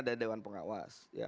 ada dewan pengawas